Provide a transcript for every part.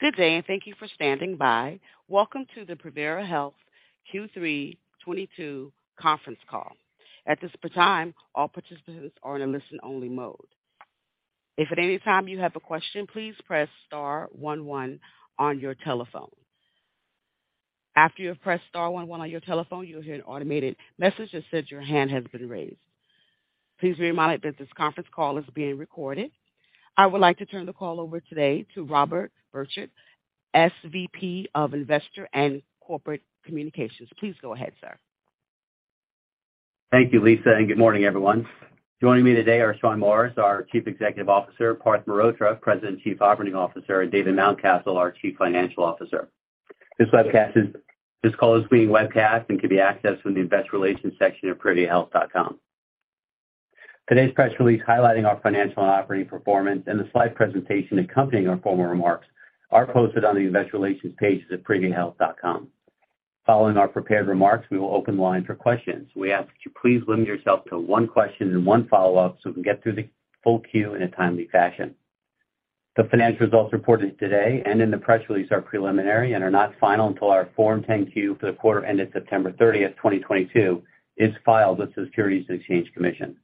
Good day, and thank you for standing by. Welcome to the Privia Health Q3 2022 conference call. At this time, all participants are in a listen-only mode. If at any time you have a question, please press star one one on your telephone. After you have pressed star one one on your telephone, you'll hear an automated message that says your hand has been raised. Please be reminded that this conference call is being recorded. I would like to turn the call over today to Robert Borchert, SVP of Investor and Corporate Communications. Please go ahead, sir. Thank you, Lisa, and good morning, everyone. Joining me today are Shawn Morris, our Chief Executive Officer, Parth Mehrotra, President and Chief Operating Officer, and David Mountcastle, our Chief Financial Officer. This call is being webcast and can be accessed from the investor relations section of priviahealth.com. Today's press release highlighting our financial and operating performance and the slide presentation accompanying our formal remarks are posted on the investor relations pages at priviahealth.com. Following our prepared remarks, we will open the line for questions. We ask that you please limit yourself to one question and one follow-up so we can get through the full queue in a timely fashion. The financial results reported today and in the press release are preliminary and are not final until our Form 10-Q for the quarter ended September 30, 2022 is filed with the Securities and Exchange Commission.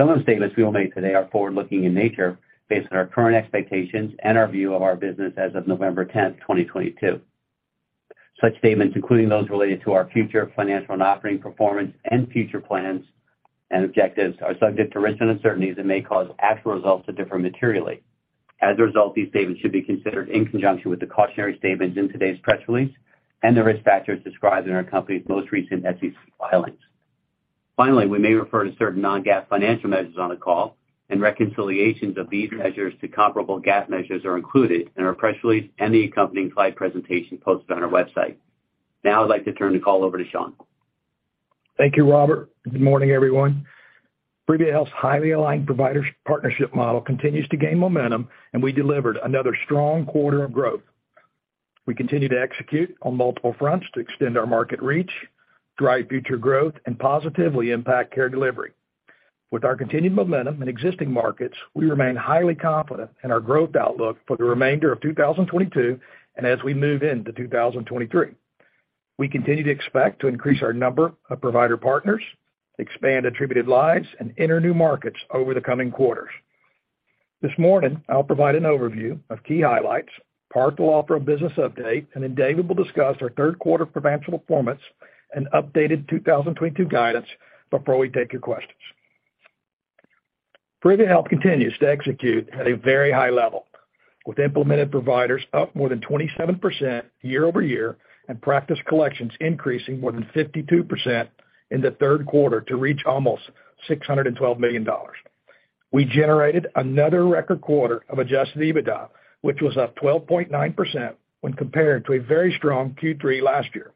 Some of the statements we will make today are forward-looking in nature based on our current expectations and our view of our business as of November 10, 2022. Such statements, including those related to our future financial and operating performance and future plans and objectives, are subject to risks and uncertainties that may cause actual results to differ materially. As a result, these statements should be considered in conjunction with the cautionary statements in today's press release and the risk factors described in our company's most recent SEC filings. Finally, we may refer to certain non-GAAP financial measures on the call, and reconciliations of these measures to comparable GAAP measures are included in our press release and the accompanying slide presentation posted on our website. Now I'd like to turn the call over to Shawn. Thank you, Robert. Good morning, everyone. Privia Health's highly aligned providers partnership model continues to gain momentum, and we delivered another strong quarter of growth. We continue to execute on multiple fronts to extend our market reach, drive future growth, and positively impact care delivery. With our continued momentum in existing markets, we remain highly confident in our growth outlook for the remainder of 2022 and as we move into 2023. We continue to expect to increase our number of provider partners, expand attributed lives, and enter new markets over the coming quarters. This morning, I'll provide an overview of key highlights, Parth will offer a business update, and then David will discuss our third quarter financial performance and updated 2022 guidance before we take your questions. Privia Health continues to execute at a very high level. With implemented providers up more than 27% year-over-year and practice collections increasing more than 52% in the third quarter to reach almost $612 million. We generated another record quarter of adjusted EBITDA, which was up 12.9% when compared to a very strong Q3 last year.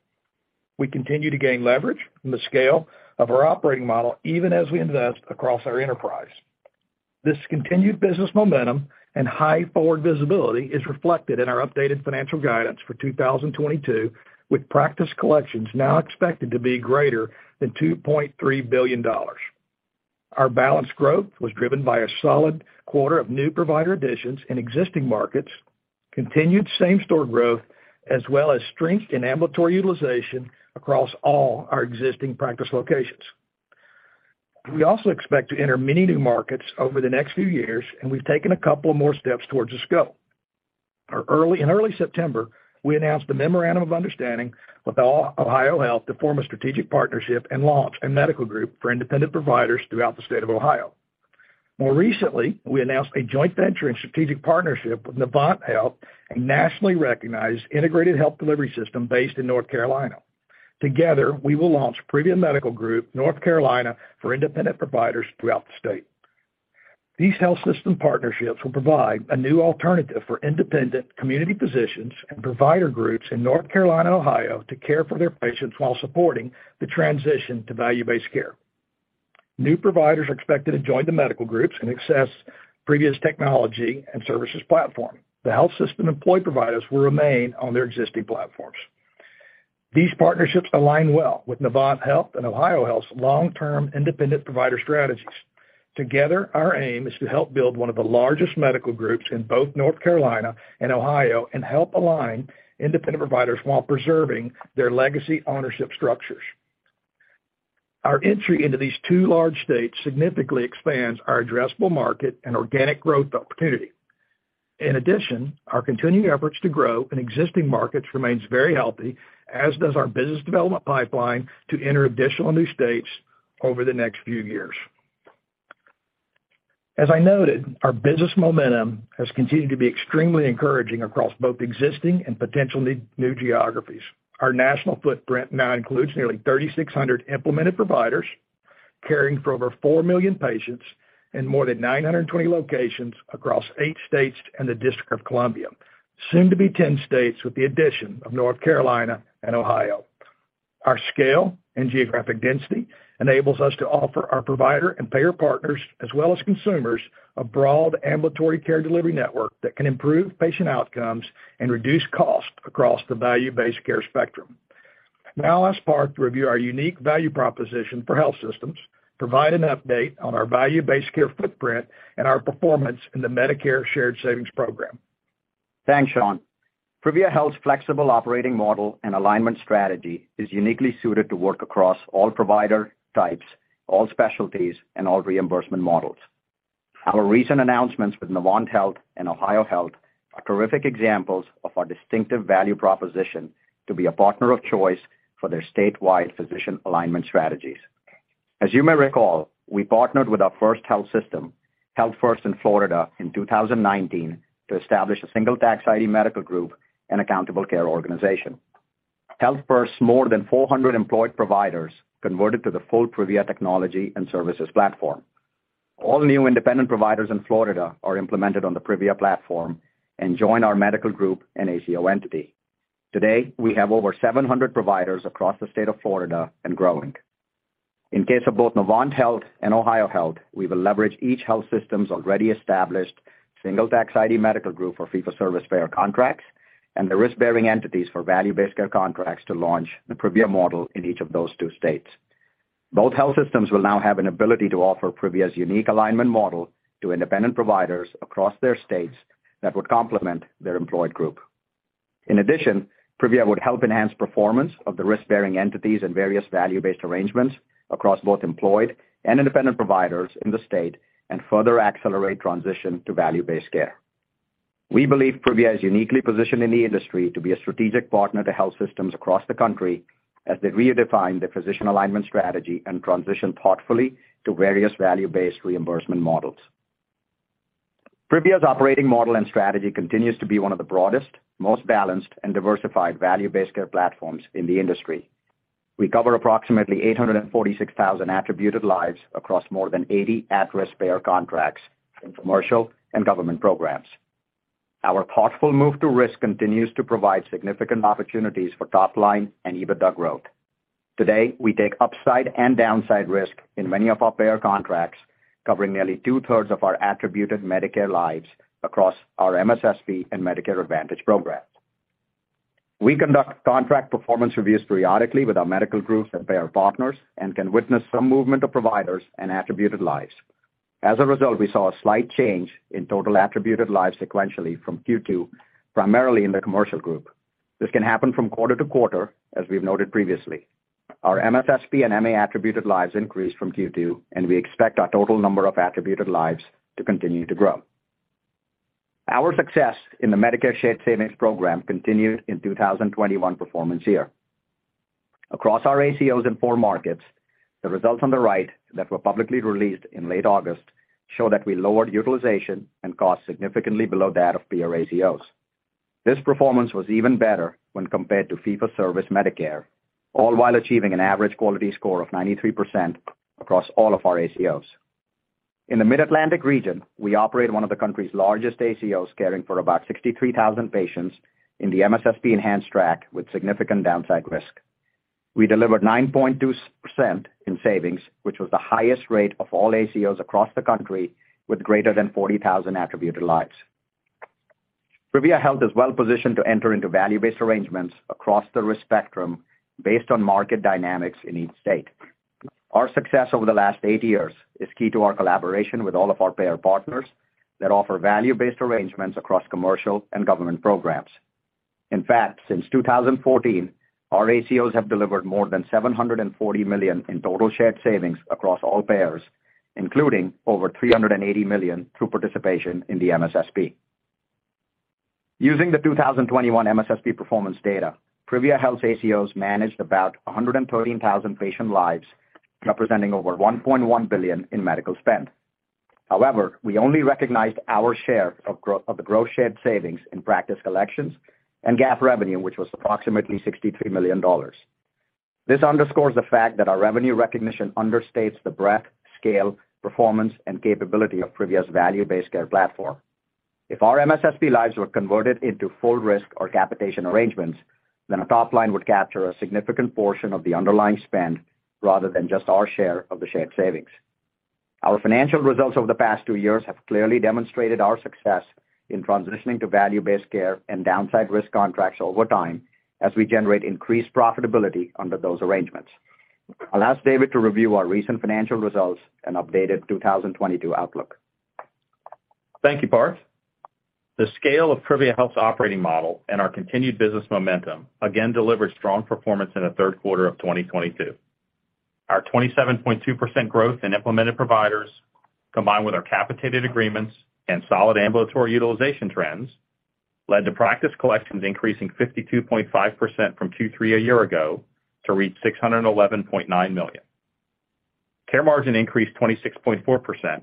We continue to gain leverage in the scale of our operating model, even as we invest across our enterprise. This continued business momentum and high forward visibility is reflected in our updated financial guidance for 2022, with practice collections now expected to be greater than $2.3 billion. Our balanced growth was driven by a solid quarter of new provider additions in existing markets, continued same-store growth, as well as strength in ambulatory utilization across all our existing practice locations. We also expect to enter many new markets over the next few years, and we've taken a couple more steps towards this goal. In early September, we announced a memorandum of understanding with OhioHealth to form a strategic partnership and launch a medical group for independent providers throughout the state of Ohio. More recently, we announced a joint venture and strategic partnership with Novant Health, a nationally recognized integrated health delivery system based in North Carolina. Together, we will launch Privia Medical Group North Carolina for independent providers throughout the state. These health system partnerships will provide a new alternative for independent community physicians and provider groups in North Carolina, Ohio to care for their patients while supporting the transition to value-based care. New providers are expected to join the medical groups and access Privia's technology and services platform. The health system employed providers will remain on their existing platforms. These partnerships align well with Novant Health and OhioHealth's long-term independent provider strategies. Together, our aim is to help build one of the largest medical groups in both North Carolina and Ohio and help align independent providers while preserving their legacy ownership structures. Our entry into these two large states significantly expands our addressable market and organic growth opportunity. In addition, our continuing efforts to grow in existing markets remains very healthy, as does our business development pipeline to enter additional new states over the next few years. As I noted, our business momentum has continued to be extremely encouraging across both existing and potential new geographies. Our national footprint now includes nearly 3,600 implemented providers caring for over 4 million patients in more than 920 locations across eight states and the District of Columbia, soon to be 10 states with the addition of North Carolina and Ohio. Our scale and geographic density enables us to offer our provider and payer partners, as well as consumers, a broad ambulatory care delivery network that can improve patient outcomes and reduce costs across the value-based care spectrum. Now I'll ask Parth to review our unique value proposition for health systems, provide an update on our value-based care footprint, and our performance in the Medicare Shared Savings Program. Thanks, Shawn. Privia Health's flexible operating model and alignment strategy is uniquely suited to work across all provider types, all specialties, and all reimbursement models. Our recent announcements with Novant Health and OhioHealth are terrific examples of our distinctive value proposition to be a partner of choice for their statewide physician alignment strategies. As you may recall, we partnered with our first health system, Health First in Florida, in 2019 to establish a single tax ID medical group and accountable care organization. Health First more than 400 employed providers converted to the full Privia technology and services platform. All new independent providers in Florida are implemented on the Privia platform and join our medical group and ACO entity. Today, we have over 700 providers across the state of Florida and growing. In case of both Novant Health and OhioHealth, we will leverage each health system's already established single tax ID medical group for fee-for-service payer contracts and the risk-bearing entities for value-based care contracts to launch the Privia model in each of those two states. Both health systems will now have an ability to offer Privia's unique alignment model to independent providers across their states that would complement their employed group. In addition, Privia would help enhance performance of the risk-bearing entities and various value-based arrangements across both employed and independent providers in the state and further accelerate transition to value-based care. We believe Privia is uniquely positioned in the industry to be a strategic partner to health systems across the country as they redefine their physician alignment strategy and transition thoughtfully to various value-based reimbursement models. Privia's operating model and strategy continues to be one of the broadest, most balanced and diversified value-based care platforms in the industry. We cover approximately 846,000 attributed lives across more than 80 at-risk payer contracts in commercial and government programs. Our thoughtful move to risk continues to provide significant opportunities for top line and EBITDA growth. Today, we take upside and downside risk in many of our payer contracts, covering nearly two-thirds of our attributed Medicare lives across our MSSP and Medicare Advantage programs. We conduct contract performance reviews periodically with our medical groups and payer partners and can witness some movement of providers and attributed lives. As a result, we saw a slight change in total attributed lives sequentially from Q2, primarily in the commercial group. This can happen from quarter to quarter, as we've noted previously. Our MSSP and MA attributed lives increased from Q2, and we expect our total number of attributed lives to continue to grow. Our success in the Medicare Shared Savings Program continued in 2021 performance year. Across our ACOs in four markets, the results on the right that were publicly released in late August show that we lowered utilization and cost significantly below that of peer ACOs. This performance was even better when compared to fee-for-service Medicare, all while achieving an average quality score of 93% across all of our ACOs. In the Mid-Atlantic region, we operate one of the country's largest ACOs, caring for about 63,000 patients in the MSSP enhanced track with significant downside risk. We delivered 9.2% in savings, which was the highest rate of all ACOs across the country with greater than 40,000 attributed lives. Privia Health is well-positioned to enter into value-based arrangements across the risk spectrum based on market dynamics in each state. Our success over the last eight years is key to our collaboration with all of our payer partners that offer value-based arrangements across commercial and government programs. In fact, since 2014, our ACOs have delivered more than $740 million in total shared savings across all payers, including over $380 million through participation in the MSSP. Using the 2021 MSSP performance data, Privia Health's ACOs managed about 113,000 patient lives, representing over $1.1 billion in medical spend. However, we only recognized our share of the gross shared savings in practice collections and GAAP revenue, which was approximately $63 million. This underscores the fact that our revenue recognition understates the breadth, scale, performance, and capability of Privia's value-based care platform. If our MSSP lives were converted into full risk or capitation arrangements, then our top line would capture a significant portion of the underlying spend rather than just our share of the shared savings. Our financial results over the past two years have clearly demonstrated our success in transitioning to value-based care and downside risk contracts over time as we generate increased profitability under those arrangements. I'll ask David to review our recent financial results and updated 2022 outlook. Thank you, Parth. The scale of Privia Health's operating model and our continued business momentum again delivered strong performance in the third quarter of 2022. Our 27.2% growth in implemented providers, combined with our capitated agreements and solid ambulatory utilization trends, led to practice collections increasing 52.5% from Q3 a year ago to reach $611.9 million. Care margin increased 26.4%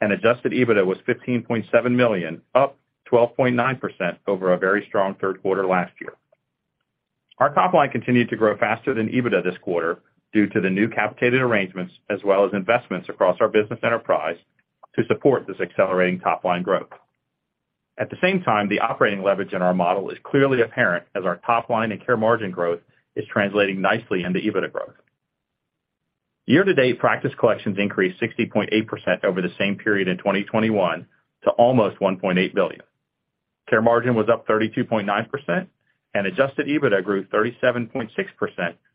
and adjusted EBITDA was $15.7 million, up 12.9% over a very strong third quarter last year. Our top line continued to grow faster than EBITDA this quarter due to the new capitated arrangements as well as investments across our business enterprise to support this accelerating top line growth. At the same time, the operating leverage in our model is clearly apparent as our top line and care margin growth is translating nicely into EBITDA growth. Year-to-date practice collections increased 60.8% over the same period in 2021 to almost $1.8 billion. Care margin was up 32.9%, and adjusted EBITDA grew 37.6%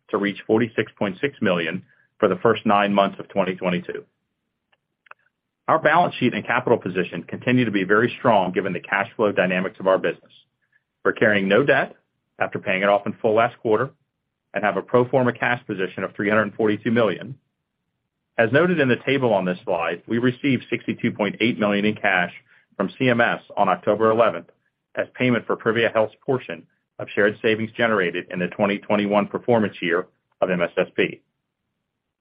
to reach $46.6 million for the first nine months of 2022. Our balance sheet and capital position continue to be very strong given the cash flow dynamics of our business. We're carrying no debt after paying it off in full last quarter and have a pro forma cash position of $342 million. As noted in the table on this slide, we received $62.8 million in cash from CMS on October 11 as payment for Privia Health's portion of shared savings generated in the 2021 performance year of MSSP.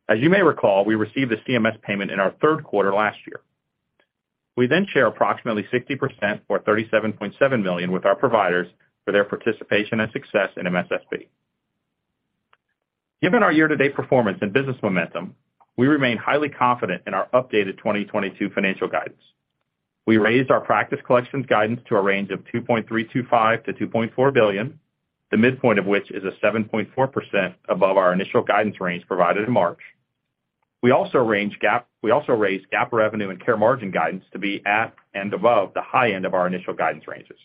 As you may recall, we received the CMS payment in our third quarter last year. We then share approximately 60% or $37.7 million with our providers for their participation and success in MSSP. Given our year-to-date performance and business momentum, we remain highly confident in our updated 2022 financial guidance. We raised our practice collections guidance to a range of $2.325-$2.4 billion, the midpoint of which is 7.4% above our initial guidance range provided in March. We also raised GAAP revenue and care margin guidance to be at and above the high end of our initial guidance ranges.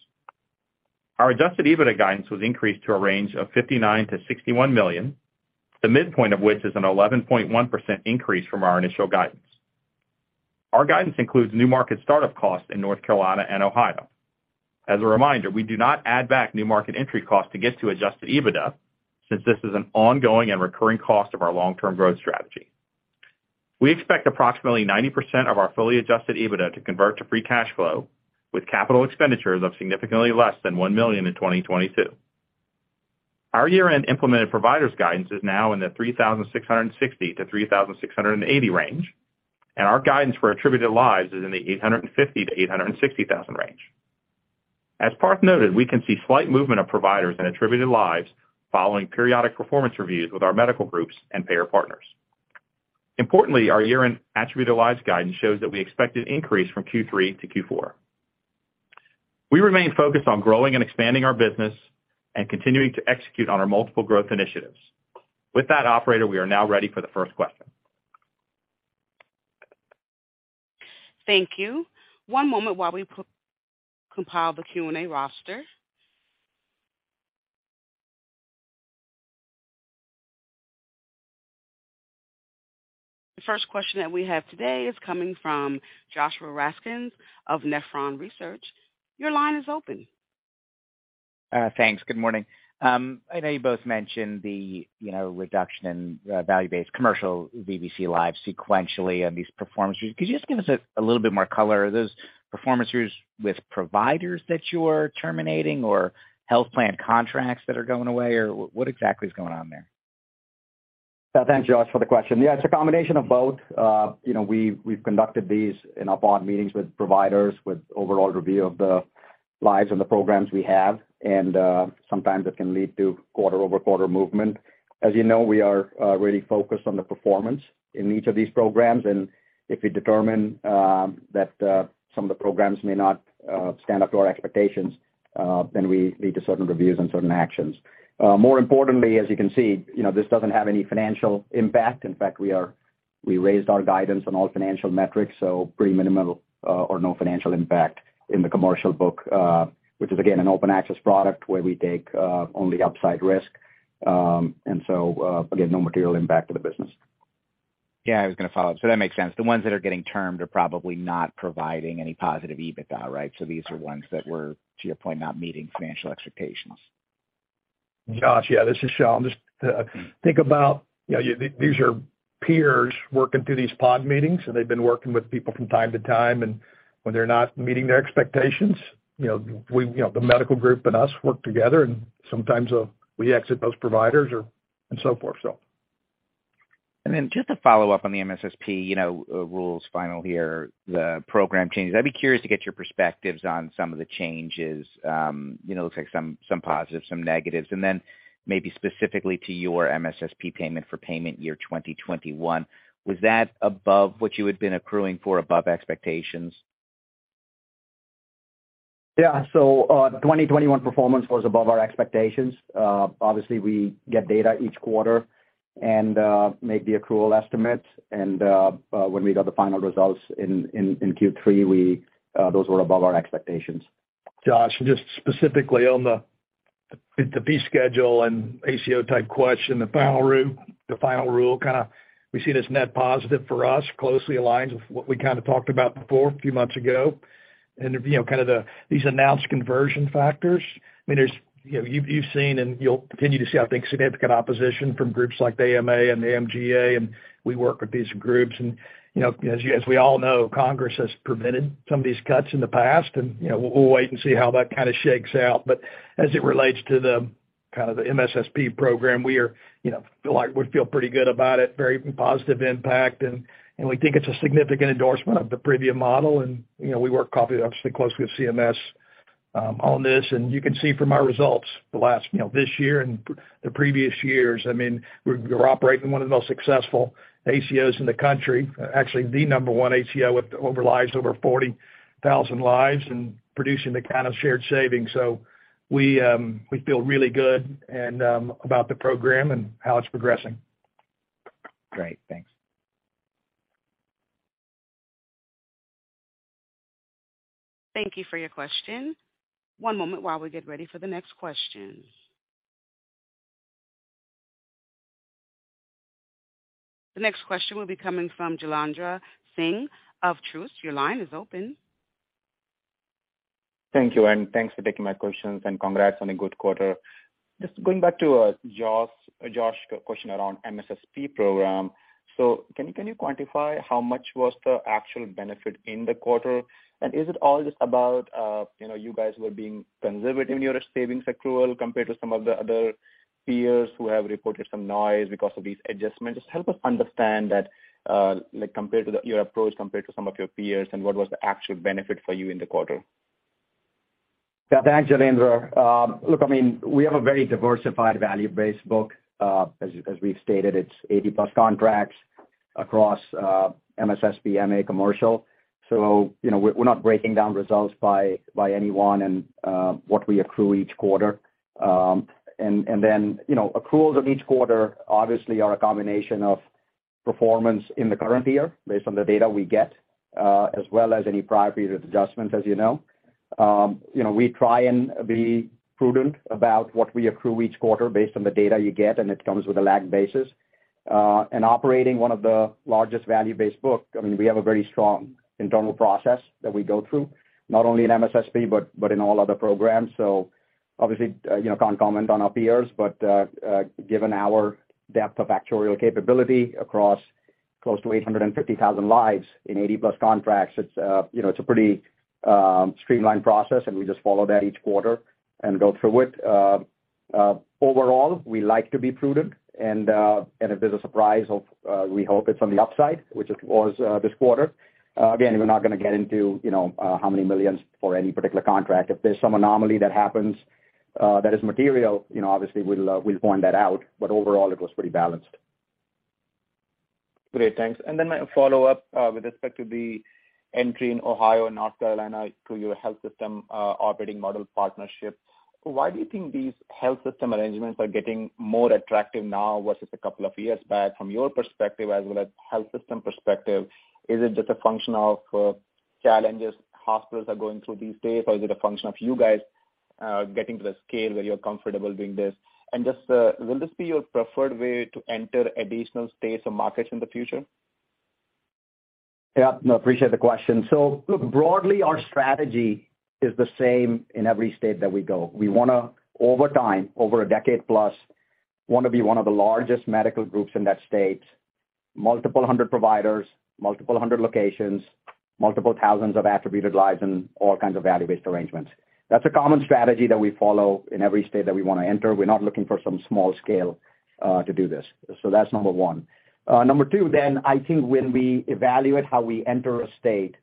Our adjusted EBITDA guidance was increased to a range of $59 million-$61 million, the midpoint of which is an 11.1% increase from our initial guidance. Our guidance includes new market startup costs in North Carolina and Ohio. As a reminder, we do not add back new market entry costs to get to adjusted EBITDA, since this is an ongoing and recurring cost of our long-term growth strategy. We expect approximately 90% of our fully adjusted EBITDA to convert to free cash flow, with capital expenditures of significantly less than $1 million in 2022. Our year-end implemented providers guidance is now in the 3,660-3,680 range, and our guidance for attributed lives is in the 850,000-860,000 range. As Parth noted, we can see slight movement of providers and attributed lives following periodic performance reviews with our medical groups and payer partners. Importantly, our year-end attributed lives guidance shows that we expect an increase from Q3 to Q4. We remain focused on growing and expanding our business and continuing to execute on our multiple growth initiatives. With that, operator, we are now ready for the first question. Thank you. One moment while we compile the Q&A roster. The first question that we have today is coming from Joshua Raskin of Nephron Research. Your line is open. Thanks. Good morning. I know you both mentioned the, you know, reduction in value-based commercial VBC lives sequentially on these performance reviews. Could you just give us a little bit more color? Are those performance reviews with providers that you are terminating or health plan contracts that are going away or what exactly is going on there? Thanks, Josh, for the question. Yeah, it's a combination of both. You know we've conducted these in-person meetings with providers, with overall review of the lives and the programs we have. Sometimes it can lead to quarter-over-quarter movement. As you know, we are really focused on the performance in each of these programs, and if we determine that some of the programs may not stand up to our expectations, then we lead to certain reviews and certain actions. More importantly, as you can see, you know, this doesn't have any financial impact. In fact, we raised our guidance on all financial metrics, so pretty minimal or no financial impact in the commercial book, which is again, an open access product where we take only upside risk. Again, no material impact to the business. Yeah, I was gonna follow up. That makes sense. The ones that are getting termed are probably not providing any positive EBITDA, right? These are ones that were, to your point, not meeting financial expectations. Josh, yeah, this is Shawn. Just think about, you know, these are peers working through these POD meetings, and they've been working with people from time to time, and when they're not meeting their expectations, you know, we, you know, the medical group and us work together and sometimes we exit those providers or and so forth so. Just to follow up on the MSSP, you know, rules final here, the program changes. I'd be curious to get your perspectives on some of the changes. You know, it looks like some positives, some negatives, and then maybe specifically to your MSSP payment for payment year 2021. Was that above what you had been accruing for above expectations? Yeah. 2021 performance was above our expectations. Obviously we get data each quarter and make the accrual estimates. When we got the final results in Q3, those were above our expectations. Josh, just specifically on the fee schedule and ACO type question, the final rule, kinda we see it as net positive for us, closely aligns with what we kind of talked about before a few months ago. You know, kind of these announced conversion factors, I mean, there's, you know, you've seen and you'll continue to see, I think, significant opposition from groups like the AMA and the MGMA, and we work with these groups. You know, as we all know, Congress has prevented some of these cuts in the past and, you know, we'll wait and see how that kind of shakes out. As it relates to the kind of the MSSP program, we feel pretty good about it, very positive impact. We think it's a significant endorsement of the Privia model. You know, we work obviously closely with CMS on this. You can see from our results the last, you know, this year and the previous years. I mean, we're operating one of the most successful ACOs in the country. Actually the number one ACO with over 40,000 lives and producing the kind of shared savings. We feel really good about the program and how it's progressing. Great. Thanks. Thank you for your question. One moment while we get ready for the next question. The next question will be coming from Jailendra Singh of Truist. Your line is open. Thank you, and thanks for taking my questions and congrats on a good quarter. Just going back to Josh question around MSSP program. Can you quantify how much was the actual benefit in the quarter? And is it all just about you know, you guys were being conservative in your savings accrual compared to some of the other peers who have reported some noise because of these adjustments? Just help us understand that, like, compared to your approach compared to some of your peers and what was the actual benefit for you in the quarter. Yeah. Thanks, Jailendra. Look, I mean, we have a very diversified value-based book. As we've stated, it's 80-plus contracts across MSSP, MA, commercial. So, you know, we're not breaking down results by any one and what we accrue each quarter. And then, you know, accruals of each quarter obviously are a combination of performance in the current year based on the data we get, as well as any prior period adjustments, as you know. You know, we try and be prudent about what we accrue each quarter based on the data we get, and it comes with a lag basis. And operating one of the largest value-based book, I mean, we have a very strong internal process that we go through, not only in MSSP, but in all other programs. Obviously, you know, can't comment on our peers, but given our depth of actuarial capability across close to 850,000 lives in 80+ contracts, it's, you know, it's a pretty streamlined process, and we just follow that each quarter and go through it. Overall, we like to be prudent and if there's a surprise, we hope it's on the upside, which it was this quarter. Again, we're not gonna get into, you know, how many millions for any particular contract. If there's some anomaly that happens that is material, you know, obviously we'll point that out, but overall it was pretty balanced. Great. Thanks. My follow-up with respect to the entry in Ohio and North Carolina to your health system operating model partnership, why do you think these health system arrangements are getting more attractive now versus a couple of years back from your perspective as well as health system perspective? Is it just a function of challenges hospitals are going through these days, or is it a function of you guys getting to the scale where you're comfortable doing this? Just, will this be your preferred way to enter additional states or markets in the future? Yeah. No, appreciate the question. Look, broadly, our strategy is the same in every state that we go. We wanna, over time, over a decade plus, wanna be one of the largest medical groups in that state, multiple hundred providers, multiple hundred locations, multiple thousands of attributed lives in all kinds of value-based arrangements. That's a common strategy that we follow in every state that we wanna enter. We're not looking for some small scale to do this. That's number one. Number two, then I think when we evaluate how we enter a state,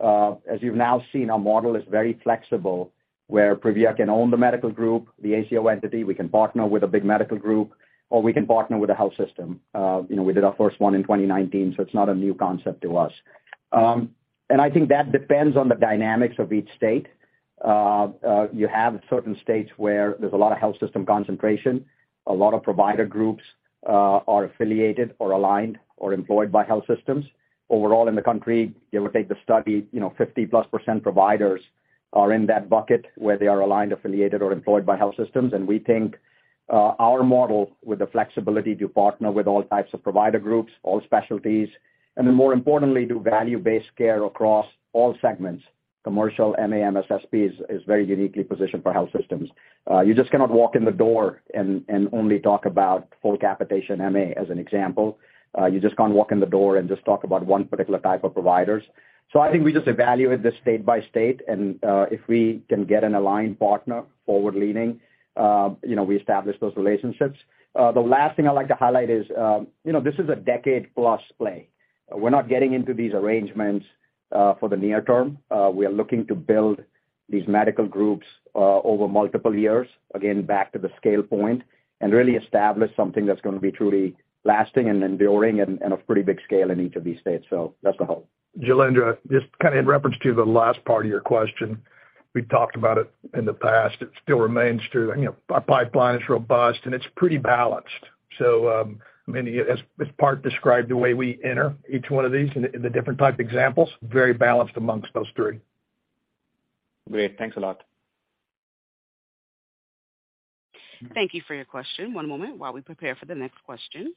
as you've now seen, our model is very flexible, where Privia can own the medical group, the ACO entity, we can partner with a big medical group, or we can partner with a health system. You know, we did our first one in 2019, so it's not a new concept to us. I think that depends on the dynamics of each state. You have certain states where there's a lot of health system concentration. A lot of provider groups are affiliated or aligned or employed by health systems. Overall in the country, you would take the study, you know, 50%+ providers are in that bucket where they are aligned, affiliated, or employed by health systems. We think our model with the flexibility to partner with all types of provider groups, all specialties, and then more importantly, do value-based care across all segments, commercial, MA, MSSP is very uniquely positioned for health systems. You just cannot walk in the door and only talk about full capitation MA as an example. You just can't walk in the door and just talk about one particular type of providers. I think we just evaluate this state by state, and if we can get an aligned partner forward leaning, you know, we establish those relationships. The last thing I'd like to highlight is, you know, this is a decade-plus play. We're not getting into these arrangements for the near term. We are looking to build these medical groups over multiple years, again, back to the scale point, and really establish something that's gonna be truly lasting and enduring and a pretty big scale in each of these states. That's the hope. Jailendra, just kind of in reference to the last part of your question, we've talked about it in the past. It still remains true. You know, our pipeline is robust, and it's pretty balanced. I mean, as Parth described the way we enter each one of these in the different type examples, very balanced amongst those three. Great. Thanks a lot. Thank you for your question. One moment while we prepare for the next question.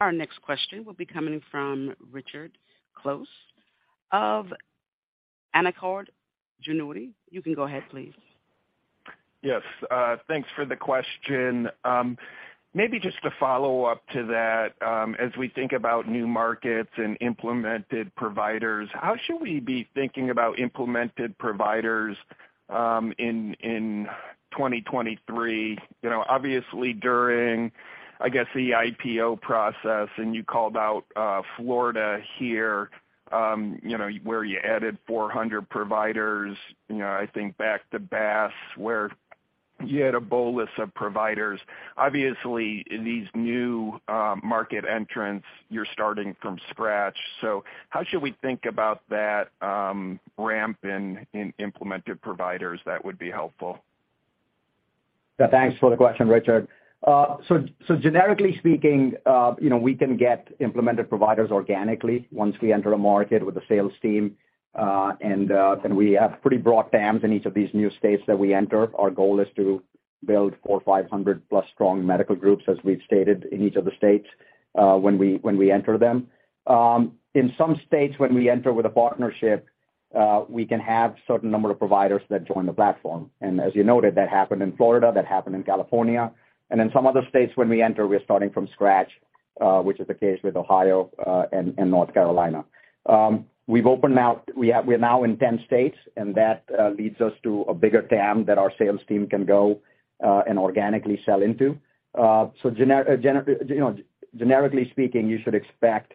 Our next question will be coming from Richard Close of Canaccord Genuity. You can go ahead, please. Yes. Thanks for the question. Maybe just to follow up to that, as we think about new markets and implemented providers, how should we be thinking about implemented providers in 2023? You know, obviously during, I guess, the IPO process, and you called out Florida here, you know, where you added 400 providers. You know, I think back to BASS, where you had a bolus of providers. Obviously, these new market entrants, you're starting from scratch. So how should we think about that ramp in implemented providers? That would be helpful. Yeah, thanks for the question, Richard. So generically speaking, you know, we can get implemented providers organically once we enter a market with a sales team, and we have pretty broad TAMs in each of these new states that we enter. Our goal is to build 400-500+ strong medical groups, as we've stated, in each of the states when we enter them. In some states, when we enter with a partnership, we can have certain number of providers that join the platform. As you noted, that happened in Florida, that happened in California. In some other states when we enter, we're starting from scratch, which is the case with Ohio and North Carolina. We're now in 10 states, and that leads us to a bigger TAM that our sales team can go and organically sell into. Generically speaking, you know, you should expect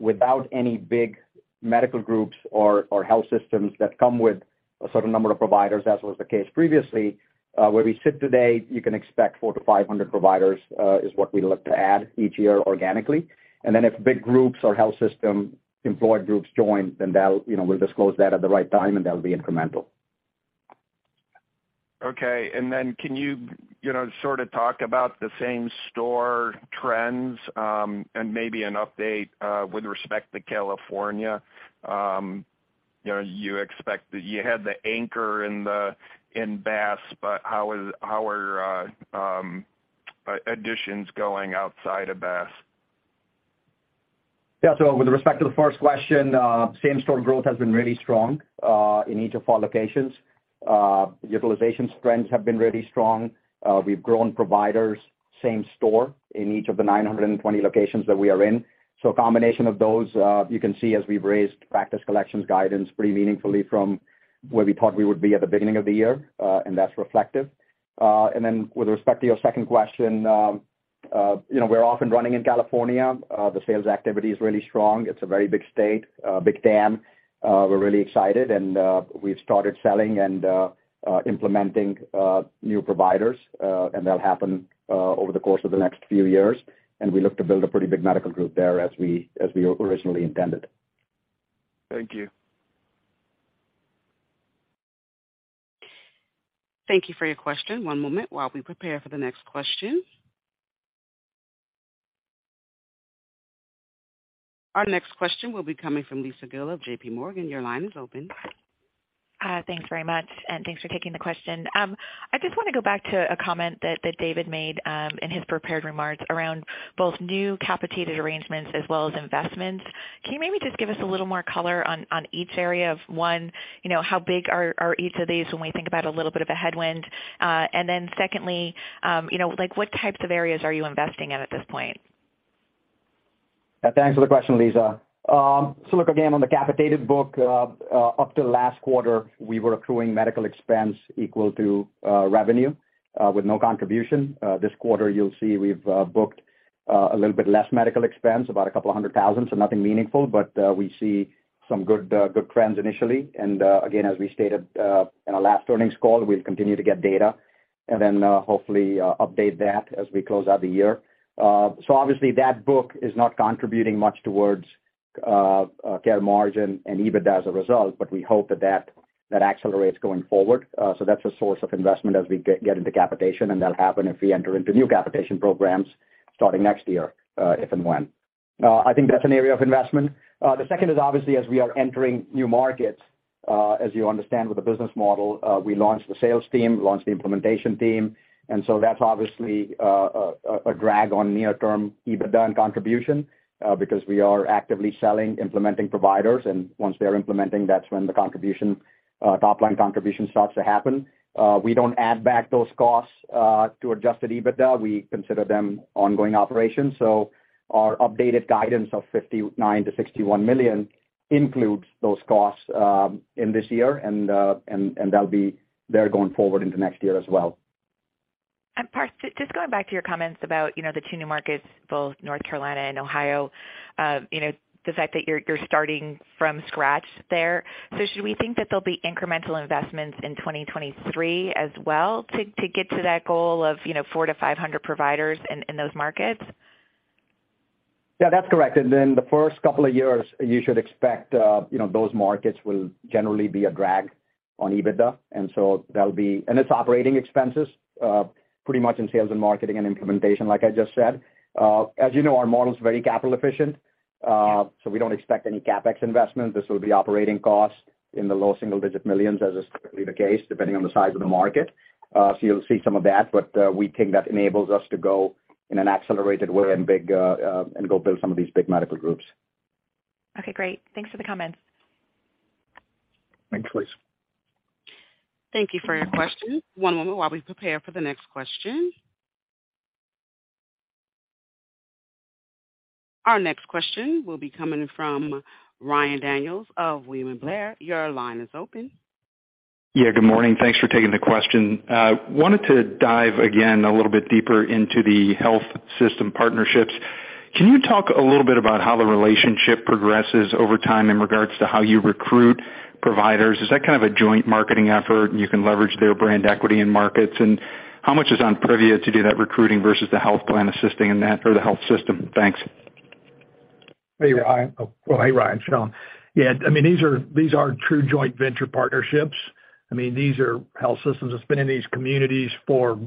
without any big medical groups or health systems that come with a certain number of providers as was the case previously, where we sit today, you can expect 400-500 providers is what we look to add each year organically. If big groups or health system employed groups join, then that'll, you know, we'll disclose that at the right time, and that'll be incremental. Okay. Can you know, sort of talk about the same store trends, and maybe an update with respect to California? You know, you expect that you had the anchor in BASS, but how are additions going outside of BASS? Yeah. With respect to the first question, same-store growth has been really strong in each of our locations. Utilization trends have been really strong. We've grown providers same store in each of the 920 locations that we are in. A combination of those, you can see as we've raised practice collections guidance pretty meaningfully from where we thought we would be at the beginning of the year, and that's reflective. With respect to your second question, you know, we're off and running in California. The sales activity is really strong. It's a very big state, a big TAM. We're really excited, and we've started selling and implementing new providers, and that'll happen over the course of the next few years. We look to build a pretty big medical group there as we originally intended. Thank you. Thank you for your question. One moment while we prepare for the next question. Our next question will be coming from Lisa Gill of JPMorgan. Your line is open. Thanks very much, and thanks for taking the question. I just wanna go back to a comment that David made in his prepared remarks around both new capitated arrangements as well as investments. Can you maybe just give us a little more color on each area of, one, you know, how big are each of these when we think about a little bit of a headwind? Secondly, you know, like what types of areas are you investing in at this point? Yeah. Thanks for the question, Lisa. Look, again, on the capitated book, up till last quarter, we were accruing medical expense equal to revenue, with no contribution. This quarter, you'll see we've booked a little bit less medical expense, about $200,000, so nothing meaningful. We see some good trends initially. Again, as we stated in our last earnings call, we'll continue to get data and then hopefully update that as we close out the year. Obviously that book is not contributing much towards care margin and EBITDA as a result, but we hope that accelerates going forward. That's a source of investment as we get into capitation, and that'll happen if we enter into new capitation programs starting next year, if and when. I think that's an area of investment. The second is obviously as we are entering new markets, as you understand with the business model, we launched the sales team, launched the implementation team, and so that's obviously a drag on near-term EBITDA and contribution, because we are actively selling, implementing providers, and once they're implementing, that's when the contribution, top line contribution starts to happen. We don't add back those costs to adjusted EBITDA. We consider them ongoing operations. Our updated guidance of $59 million-$61 million includes those costs in this year and that'll be there going forward into next year as well. Parth, just going back to your comments about, you know, the two new markets, both North Carolina and Ohio, you know, the fact that you're starting from scratch there. Should we think that there'll be incremental investments in 2023 as well to get to that goal of, you know, 400-500 providers in those markets? Yeah, that's correct. Then the first couple of years you should expect, you know, those markets will generally be a drag on EBITDA. So that'll be operating expenses, pretty much in sales and marketing and implementation like I just said. As you know, our model is very capital efficient, so we don't expect any CapEx investment. This will be operating costs in the low single digit millions, as is typically the case, depending on the size of the market. So you'll see some of that, but we think that enables us to go in an accelerated way and big, and go build some of these big medical groups. Okay, great. Thanks for the comments. Thanks, Lisa. Thank you for your question. One moment while we prepare for the next question. Our next question will be coming from Ryan Daniels of William Blair. Your line is open. Yeah, good morning. Thanks for taking the question. Wanted to dive again a little bit deeper into the health system partnerships. Can you talk a little bit about how the relationship progresses over time in regards to how you recruit providers? Is that kind of a joint marketing effort, and you can leverage their brand equity in markets? How much is on Privia to do that recruiting versus the health plan assisting in that or the health system? Thanks. Hey, Ryan. Oh, hey, Ryan, it's Shawn. Yeah, I mean, these are true joint venture partnerships. I mean, these are health systems that's been in these communities for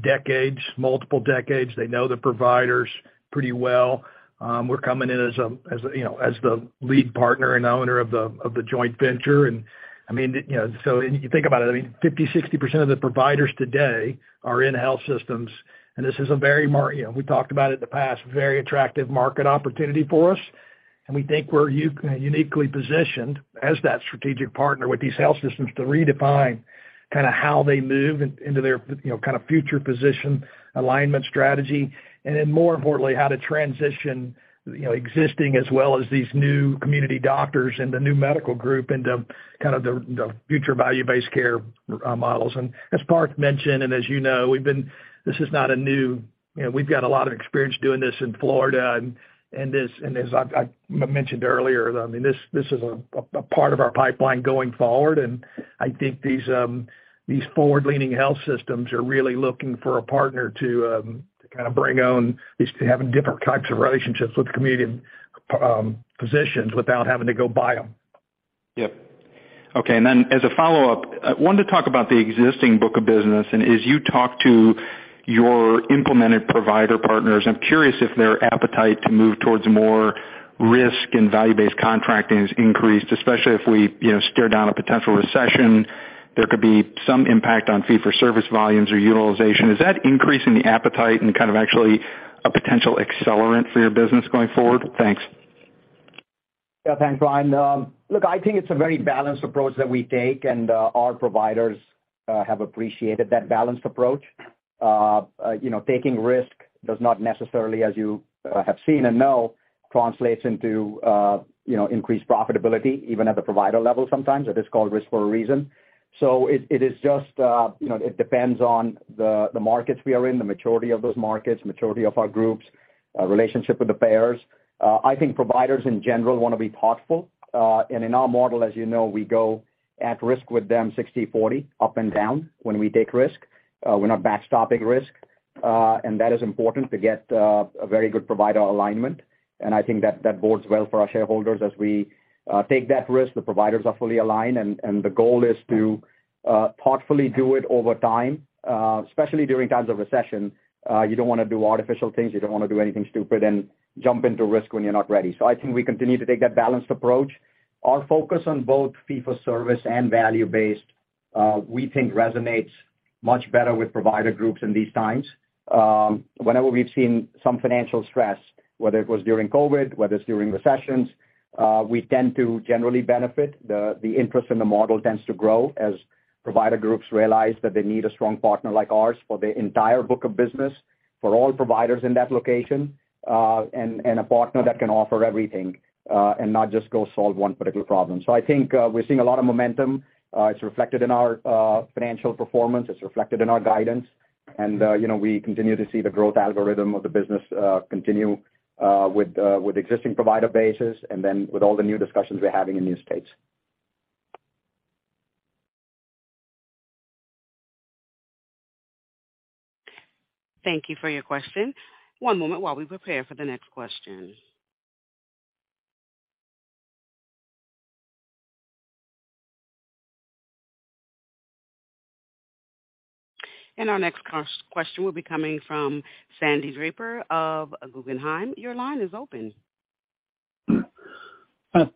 decades, multiple decades. They know the providers pretty well. We're coming in as, you know, as the lead partner and owner of the joint venture. You think about it, I mean, 50, 60% of the providers today are in health systems, and this is a very, you know, we talked about it in the past, very attractive market opportunity for us. We think we're uniquely positioned as that strategic partner with these health systems to redefine kinda how they move into their, you know, kinda future position alignment strategy. More importantly, how to transition, you know, existing as well as these new community doctors and the new medical group into kind of the future value-based care models. As Parth mentioned, and as you know, this is not a new, you know, we've got a lot of experience doing this in Florida, and as I mentioned earlier, I mean, this is a part of our pipeline going forward. I think these forward-leaning health systems are really looking for a partner to kinda bring on, at least to having different types of relationships with community physicians without having to go buy them. Yep. Okay. As a follow-up, I wanted to talk about the existing book of business. As you talk to your implemented provider partners, I'm curious if their appetite to move towards more risk and value-based contracting has increased, especially if we, you know, stare down a potential recession, there could be some impact on fee-for-service volumes or utilization. Is that increase in the appetite and kind of actually a potential accelerant for your business going forward? Thanks. Yeah, thanks, Ryan. Look, I think it's a very balanced approach that we take, and our providers have appreciated that balanced approach. You know, taking risk does not necessarily, as you have seen and know, translates into, you know, increased profitability, even at the provider level sometimes. It is called risk for a reason. It is just, you know, it depends on the markets we are in, the maturity of those markets, maturity of our groups, relationship with the payers. I think providers in general wanna be thoughtful. In our model, as you know, we go at risk with them 60/40, up and down when we take risk. We're not backstopping risk. That is important to get a very good provider alignment. I think that bodes well for our shareholders as we take that risk, the providers are fully aligned, and the goal is to thoughtfully do it over time, especially during times of recession. You don't wanna do artificial things. You don't wanna do anything stupid and jump into risk when you're not ready. I think we continue to take that balanced approach. Our focus on both fee-for-service and value-based, we think resonates much better with provider groups in these times. Whenever we've seen some financial stress, whether it was during COVID, whether it's during recessions, we tend to generally benefit. Interest in the model tends to grow as provider groups realize that they need a strong partner like ours for their entire book of business, for all providers in that location, and a partner that can offer everything, and not just go solve one particular problem. I think we're seeing a lot of momentum. It's reflected in our financial performance, it's reflected in our guidance. You know, we continue to see the growth algorithm of the business continue with existing provider bases and then with all the new discussions we're having in new states. Thank you for your question. One moment while we prepare for the next question. Our next question will be coming from Sandy Draper of Guggenheim. Your line is open.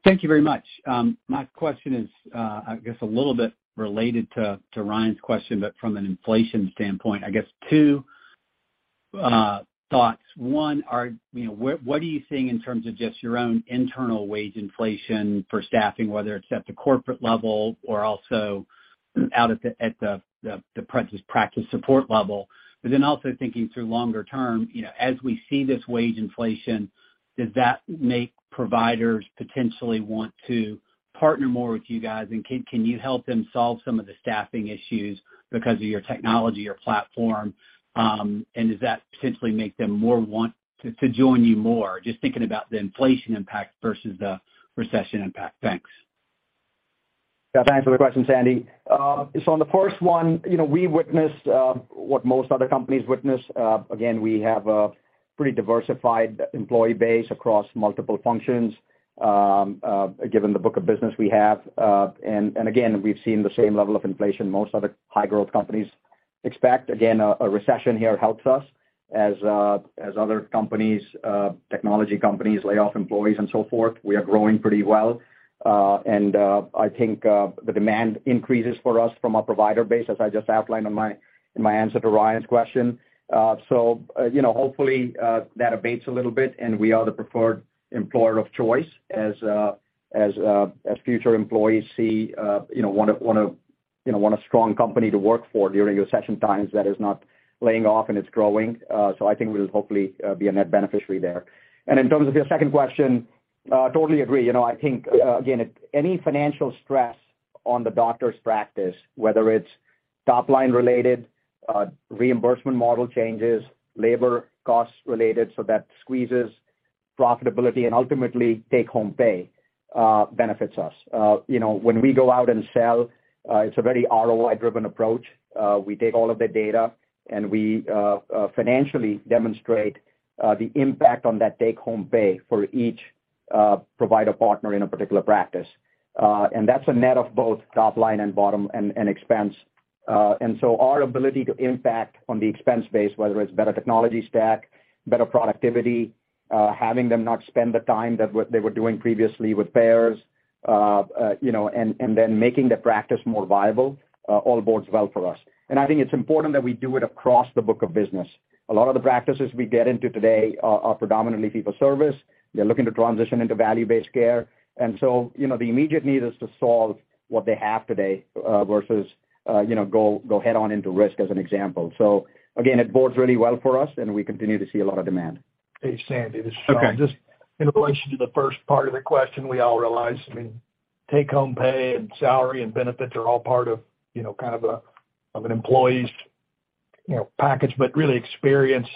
Thank you very much. My question is, I guess a little bit related to Ryan's question, but from an inflation standpoint. I guess two thoughts. One, what are you seeing in terms of just your own internal wage inflation for staffing, whether it's at the corporate level or also out at the practice support level? Also thinking through longer term, you know, as we see this wage inflation, does that make providers potentially want to partner more with you guys? And can you help them solve some of the staffing issues because of your technology or platform? And does that potentially make them more want to join you more? Just thinking about the inflation impact versus the recession impact. Thanks. Yeah, thanks for the question, Sandy. On the first one, you know, we witnessed what most other companies witness. Again, we have a pretty diversified employee base across multiple functions, given the book of business we have. Again, we've seen the same level of inflation most other high growth companies expect. Again, a recession here helps us as other companies, technology companies lay off employees and so forth. We are growing pretty well. I think the demand increases for us from a provider base, as I just outlined in my answer to Ryan's question. Hopefully, that abates a little bit and we are the preferred employer of choice as future employees see, you know, want a strong company to work for during recession times that is not laying off and it's growing. I think we'll hopefully be a net beneficiary there. In terms of your second question, totally agree. You know, I think, again, any financial stress on the doctor's practice, whether it's top-line related, reimbursement model changes, labor costs related, so that squeezes profitability and ultimately take-home pay, benefits us. You know, when we go out and sell, it's a very ROI-driven approach. We take all of the data, and we financially demonstrate the impact on that take-home pay for each provider partner in a particular practice. That's a net of both top line and bottom line and expense. Our ability to impact on the expense base, whether it's better technology stack, better productivity, having them not spend the time than what they were doing previously with payers, you know, and then making the practice more viable, all bodes well for us. I think it's important that we do it across the book of business. A lot of the practices we get into today are predominantly fee-for-service. They're looking to transition into value-based care, and so, you know, the immediate need is to solve what they have today, versus, you know, go head on into risk as an example. Again, it bodes really well for us, and we continue to see a lot of demand. Hey, Sandy, this is Shawn. Okay. Just in relation to the first part of the question, we all realize, I mean, take-home pay and salary and benefits are all part of, you know, kind of an employee's, you know, package. Really experience,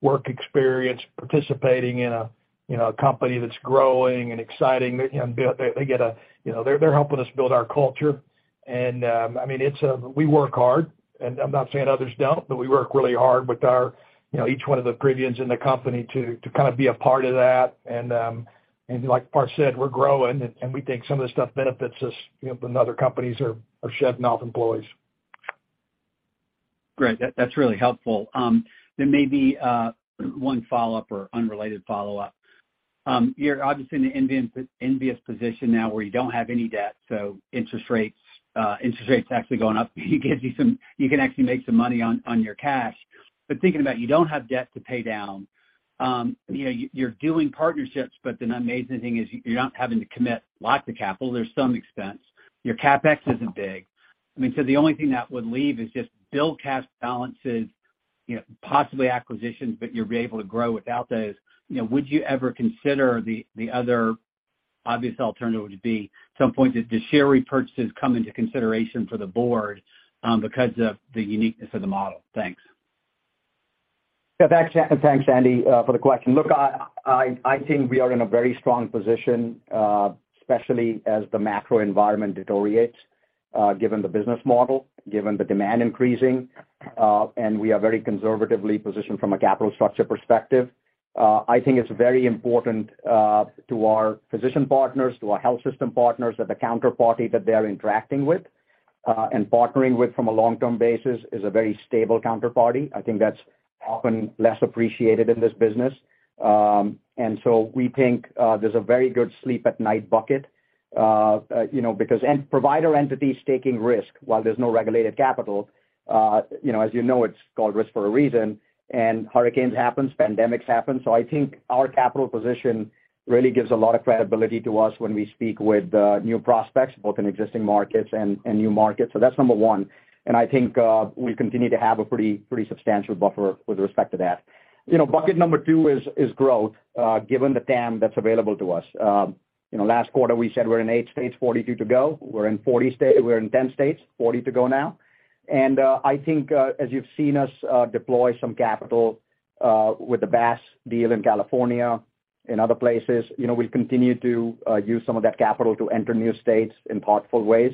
work experience, participating in a, you know, a company that's growing and exciting. You know, they get a, you know, they're helping us build our culture, and, I mean, it's. We work hard, and I'm not saying others don't, but we work really hard with our, you know, each one of the Privians in the company to kind of be a part of that. And like Par said, we're growing, and we think some of this stuff benefits us, you know, when other companies are shedding off employees. Great. That's really helpful. There may be one follow-up or unrelated follow-up. You're obviously in an envious position now where you don't have any debt, so interest rates actually going up gives you some, you can actually make some money on your cash. But thinking about you don't have debt to pay down. You know, you're doing partnerships, but the amazing thing is you're not having to commit lots of capital. There's some expense. Your CapEx isn't big. I mean, so the only thing that would leave is just build cash balances, you know, possibly acquisitions, but you'll be able to grow without those. You know, would you ever consider the other obvious alternative would be some point, does share repurchases come into consideration for the board, because of the uniqueness of the model? Thanks. Yeah. Thanks, Sandy, for the question. Look, I think we are in a very strong position, especially as the macro environment deteriorates, given the business model, given the demand increasing, and we are very conservatively positioned from a capital structure perspective. I think it's very important to our physician partners, to our health system partners that the counterparty that they're interacting with and partnering with from a long-term basis is a very stable counterparty. I think that's often less appreciated in this business. We think there's a very good sleep at night bucket, you know, because provider entities taking risk while there's no regulated capital, you know, as you know, it's called risk for a reason. Hurricanes happen, pandemics happen. I think our capital position really gives a lot of credibility to us when we speak with new prospects, both in existing markets and new markets. That's number one. I think we continue to have a pretty substantial buffer with respect to that. You know, bucket number two is growth, given the TAM that's available to us. You know, last quarter, we said we're in eight states, 42 to go. We're in 10 states, 40 to go now. I think, as you've seen us deploy some capital with the BASS deal in California, in other places, you know, we'll continue to use some of that capital to enter new states in thoughtful ways.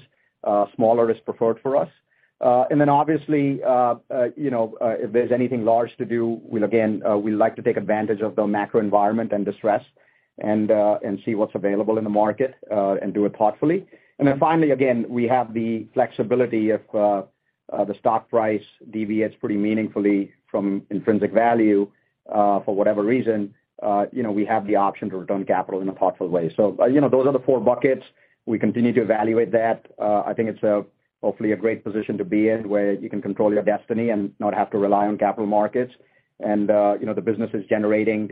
Smaller is preferred for us. Obviously, you know, if there's anything large to do, we'll again, we like to take advantage of the macro environment and distress and see what's available in the market, and do it thoughtfully. Then finally, again, we have the flexibility if, the stock price deviates pretty meaningfully from intrinsic value, for whatever reason, you know, we have the option to return capital in a thoughtful way. You know, those are the four buckets. We continue to evaluate that. I think it's hopefully a great position to be in, where you can control your destiny and not have to rely on capital markets. You know, the business is generating,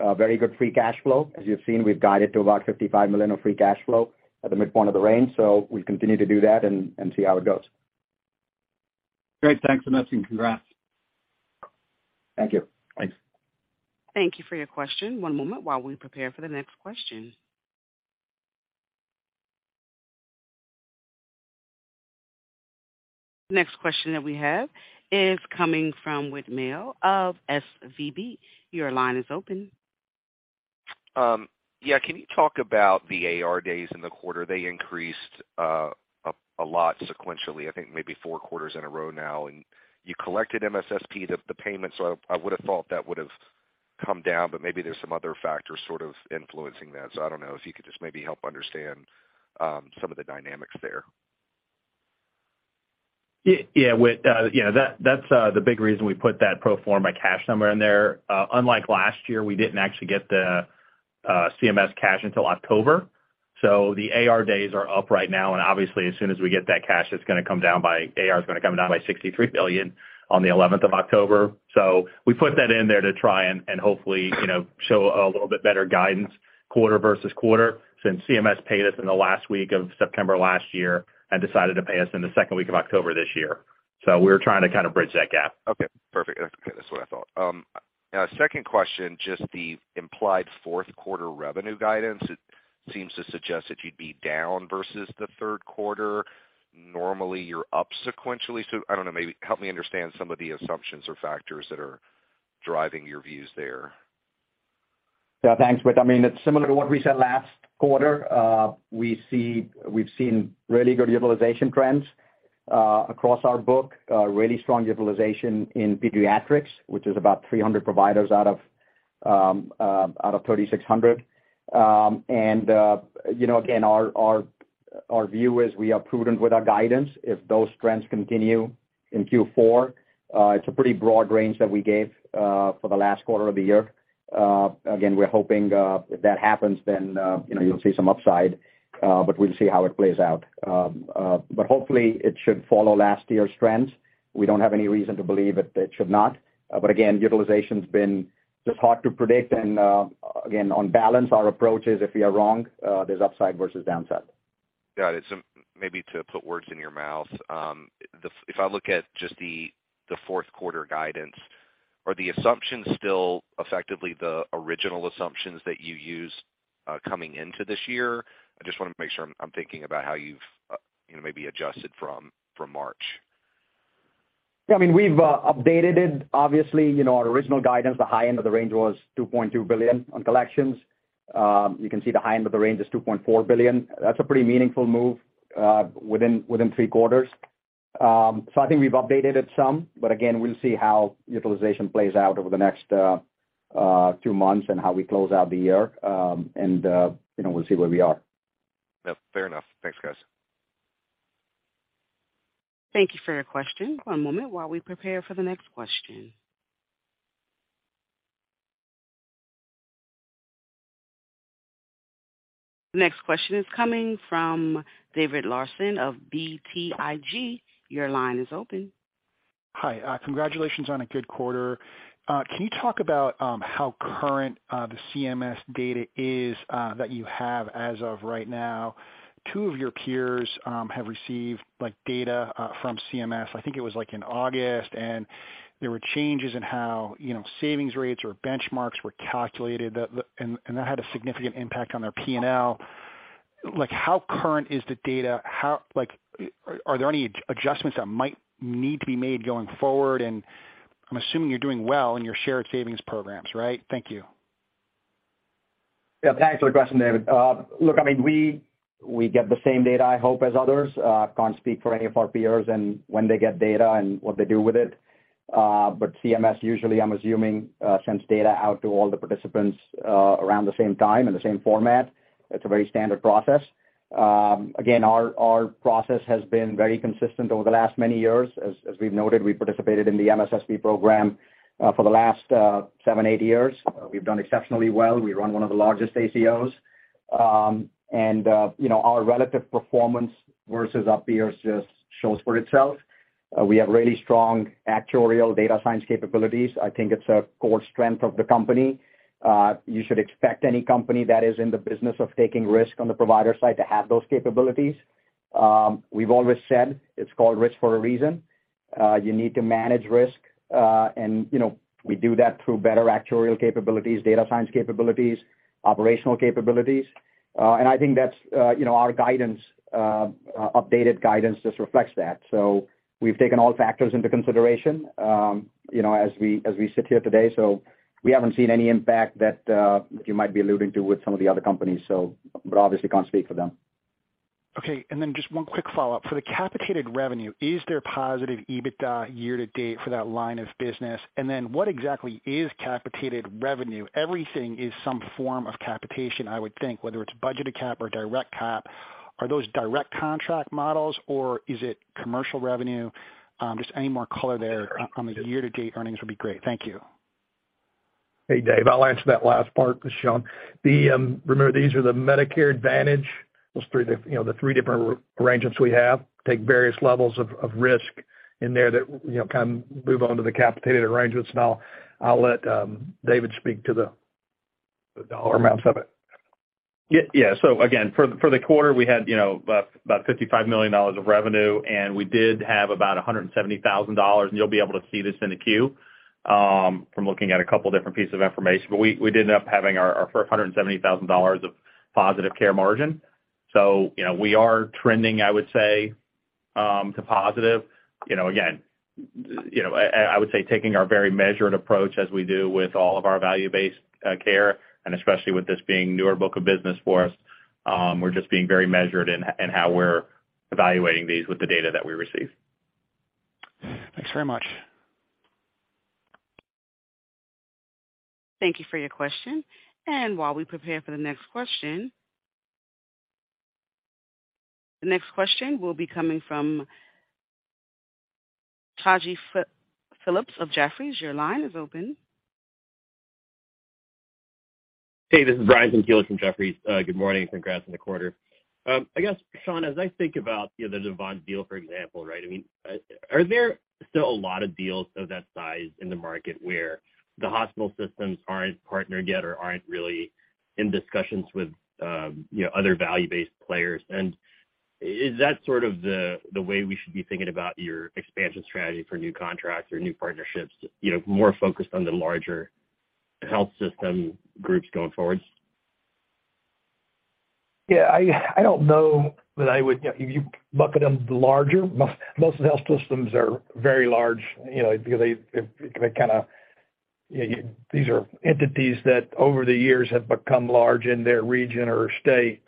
a very good free cash flow. As you've seen, we've guided to about $55 million of free cash flow at the midpoint of the range. We continue to do that and see how it goes. Great. Thank you so much and congrats. Thank you. Thanks. Thank you for your question. One moment while we prepare for the next question. The next question that we have is coming from Whit Mayo of SVB. Your line is open. Yeah, can you talk about the AR days in the quarter? They increased a lot sequentially, I think maybe four quarters in a row now. You collected MSSP, the payments. I would've thought that would've come down, but maybe there's some other factors sort of influencing that. I don't know if you could just maybe help understand some of the dynamics there. Yeah, yeah, Whit. You know, that's the big reason we put that pro forma cash number in there. Unlike last year, we didn't actually get the CMS cash until October. The AR days are up right now, and obviously, as soon as we get that cash, it's gonna come down. AR is gonna come down by $63 million on the eleventh of October. We put that in there to try and hopefully, you know, show a little bit better guidance quarter versus quarter since CMS paid us in the last week of September last year and decided to pay us in the second week of October this year. We're trying to kind of bridge that gap. Okay, perfect. Okay, that's what I thought. Now second question, just the implied fourth quarter revenue guidance, it seems to suggest that you'd be down versus the third quarter. Normally, you're up sequentially, so I don't know, maybe help me understand some of the assumptions or factors that are driving your views there? Yeah, thanks, Whit. I mean, it's similar to what we said last quarter. We've seen really good utilization trends across our book, really strong utilization in pediatrics, which is about 300 providers out of 3,600. You know, again, our view is we are prudent with our guidance. If those trends continue in Q4, it's a pretty broad range that we gave for the last quarter of the year. Again, we're hoping if that happens then you know, you'll see some upside, but we'll see how it plays out. Hopefully it should follow last year's trends. We don't have any reason to believe it should not. Again, utilization's been just hard to predict, and again, on balance, our approach is if we are wrong, there's upside versus downside. Got it. Maybe to put words in your mouth, if I look at just the fourth quarter guidance, are the assumptions still effectively the original assumptions that you used coming into this year? I just wanna make sure I'm thinking about how you've you know, maybe adjusted from March. Yeah, I mean, we've updated it, obviously. You know, our original guidance, the high end of the range was $2.2 billion on collections. You can see the high end of the range is $2.4 billion. That's a pretty meaningful move within three quarters. I think we've updated it some, but again, we'll see how utilization plays out over the next two months and how we close out the year. You know, we'll see where we are. Yeah. Fair enough. Thanks, guys. Thank you for your question. One moment while we prepare for the next question. The next question is coming from David Larsen of BTIG. Your line is open. Hi, congratulations on a good quarter. Can you talk about how current the CMS data is that you have as of right now? 2 of your peers have received like data from CMS, I think it was like in August, and there were changes in how, you know, savings rates or benchmarks were calculated that had a significant impact on their P&L. Like, how current is the data? Like, are there any adjustments that might need to be made going forward? I'm assuming you're doing well in your shared savings programs, right? Thank you. Yeah, thanks for the question, David. Look, I mean, we get the same data, I hope, as others. Can't speak for any of our peers and when they get data and what they do with it. CMS usually, I'm assuming, sends data out to all the participants around the same time in the same format. It's a very standard process. Again, our process has been very consistent over the last many years. As we've noted, we participated in the MSSP program for the last seven, eight years. We've done exceptionally well. We run one of the largest ACOs. You know, our relative performance versus our peers just shows for itself. We have really strong actuarial data science capabilities. I think it's a core strength of the company. You should expect any company that is in the business of taking risk on the provider side to have those capabilities. We've always said it's called risk for a reason. You need to manage risk. You know, we do that through better actuarial capabilities, data science capabilities, operational capabilities. I think that's, you know, our guidance, updated guidance just reflects that. We've taken all factors into consideration, you know, as we sit here today. We haven't seen any impact that you might be alluding to with some of the other companies, so, but obviously can't speak for them. Okay. Just one quick follow-up. For the capitated revenue, is there positive EBITDA year to date for that line of business? What exactly is capitated revenue? Everything is some form of capitation, I would think, whether it's budgeted cap or direct cap. Are those direct contract models or is it commercial revenue? Just any more color there on the year to date earnings would be great. Thank you. Hey, David. I'll answer that last part. This is Shawn. Remember, these are the Medicare Advantage, those three different, you know, the three different arrangements we have, take various levels of risk in there that, you know, kind of move on to the capitated arrangements, and I'll let David speak to the dollar amounts of it. Yes. Again, for the quarter we had, you know, about $55 million of revenue, and we did have about $170,000, and you'll be able to see this in the Q from looking at a couple different pieces of information. We did end up having our first $170,000 of positive care margin. You know, we are trending, I would say, to positive. Again, I would say taking our very measured approach as we do with all of our value-based care, and especially with this being newer book of business for us, we're just being very measured in how we're evaluating these with the data that we receive. Thanks very much. Thank you for your question. While we prepare for the next question. The next question will be coming from Taji Phillips of Jefferies. Your line is open. Hey, this is Brian Tanquilut from Jefferies. Good morning. Congrats on the quarter. I guess, Shawn, as I think about, you know, the Novant deal, for example, right? I mean, are there still a lot of deals of that size in the market where the hospital systems aren't partnered yet or aren't really in discussions with, you know, other value-based players? Is that sort of the way we should be thinking about your expansion strategy for new contracts or new partnerships, you know, more focused on the larger health system groups going forward? Yeah, I don't know that I would, you know, you bucket them larger. Most health systems are very large, you know, because they. These are entities that over the years have become large in their region or state.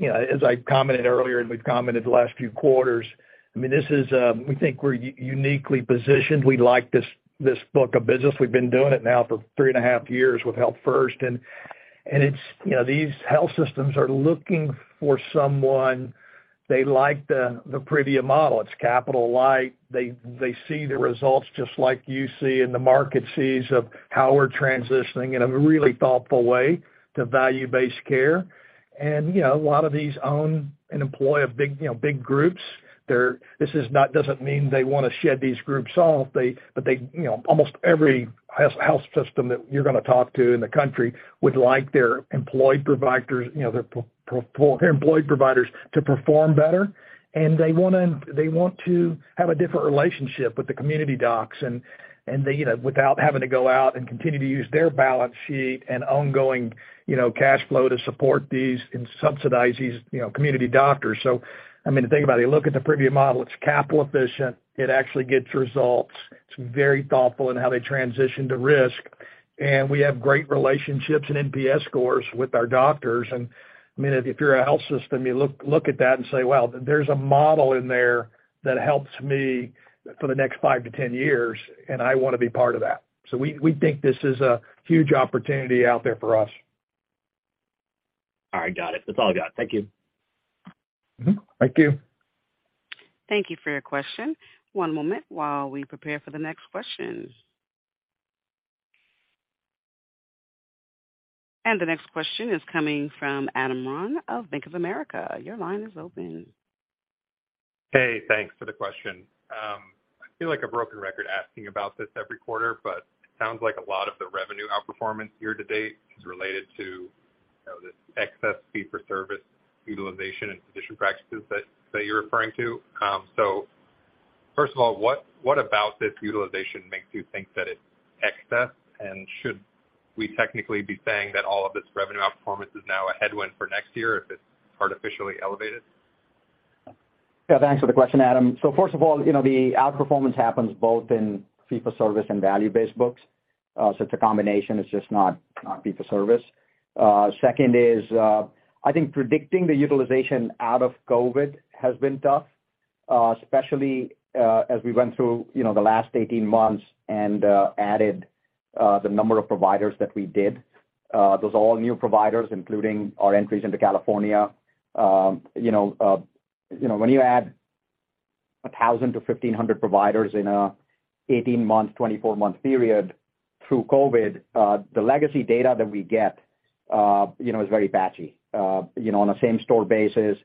You know, as I commented earlier, and we've commented the last few quarters, I mean, this is. We think we're uniquely positioned. We like this book of business. We've been doing it now for three and a half years with Health First, and it's, you know, these health systems are looking for someone. They like the Privia model. It's capital light. They see the results just like you see, and the market sees of how we're transitioning in a really thoughtful way to value-based care. You know, a lot of these own and employ big, you know, big groups. This is not. Doesn't mean they wanna shed these groups off. But they, you know, almost every health system that you're gonna talk to in the country would like their employed providers, you know, their employed providers to perform better. They want to have a different relationship with the community docs and they, you know, without having to go out and continue to use their balance sheet and ongoing, you know, cash flow to support these and subsidize these, you know, community doctors. I mean, think about it. You look at the Privia model, it's capital efficient, it actually gets results, it's very thoughtful in how they transition to risk, and we have great relationships and NPS scores with our doctors. I mean, if you're a health system, you look at that and say, "Well, there's a model in there that helps me for the next 5-10 years, and I wanna be part of that." We think this is a huge opportunity out there for us. All right. Got it. That's all I got. Thank you. Mm-hmm. Thank you. Thank you for your question. One moment while we prepare for the next question. The next question is coming from Adam Ron of Bank of America. Your line is open. Hey, thanks for the question. I feel like a broken record asking about this every quarter, but it sounds like a lot of the revenue outperformance year to date is related to, you know, this excess fee for service utilization and physician practices that you're referring to. What about this utilization makes you think that it's excess? Should we technically be saying that all of this revenue outperformance is now a headwind for next year if it's artificially elevated? Yeah, thanks for the question, Adam Ron. First of all, you know, the outperformance happens both in fee for service and value-based books. It's a combination, it's just not fee for service. Second is, I think predicting the utilization out of COVID has been tough, especially as we went through, you know, the last 18 months and added the number of providers that we did. Those all new providers, including our entries into California. You know, when you add 1,000-1,500 providers in an 18-month, 24-month period through COVID, the legacy data that we get, you know, is very patchy. You know, on a same store basis,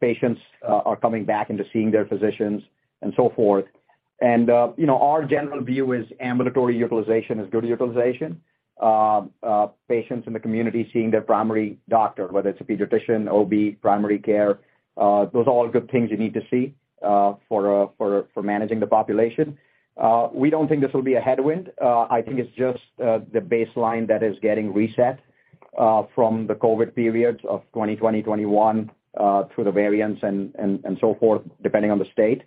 patients are coming back into seeing their physicians and so forth. You know, our general view is ambulatory utilization is good utilization. Patients in the community seeing their primary doctor, whether it's a pediatrician, OB, primary care, those are all good things you need to see for managing the population. We don't think this will be a headwind. I think it's just the baseline that is getting reset from the COVID periods of 2020, 2021 through the variants and so forth, depending on the state.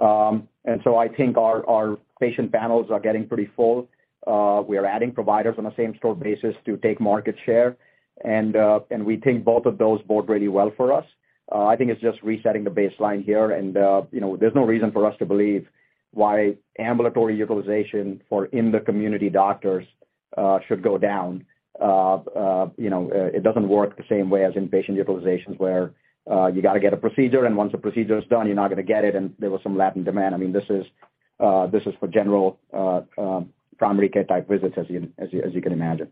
I think our patient panels are getting pretty full. We are adding providers on a same store basis to take market share, and we think both of those bode really well for us. I think it's just resetting the baseline here and, you know, there's no reason for us to believe why ambulatory utilization for in the community doctors should go down. You know, it doesn't work the same way as inpatient utilizations, where you gotta get a procedure, and once the procedure is done, you're not gonna get it, and there was some lapse in demand. I mean, this is for general primary care type visits as you can imagine.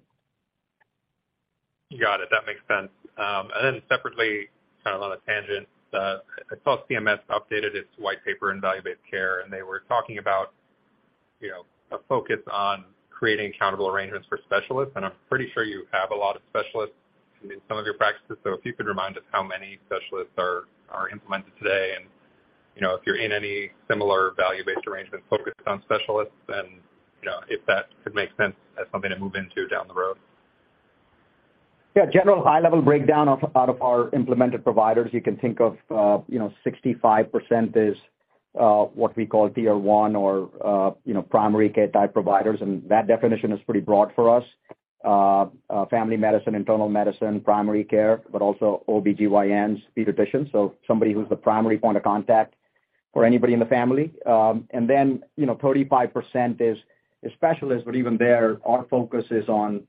Got it. That makes sense. Separately, kind of on a tangent, I saw CMS updated its white paper in value-based care, and they were talking about, you know, a focus on creating accountable arrangements for specialists, and I'm pretty sure you have a lot of specialists in some of your practices. If you could remind us how many specialists are implemented today and, you know, if you're in any similar value-based arrangement focused on specialists and, you know, if that could make sense as something to move into down the road. Yeah. General high-level breakdown of, out of our implemented providers, you can think of, you know, 65% is, what we call tier one or, you know, primary care type providers, and that definition is pretty broad for us. Family medicine, internal medicine, primary care, but also OBGYNs, pediatricians, so somebody who's the primary point of contact for anybody in the family. Then, you know, 35% is specialists, but even there our focus is on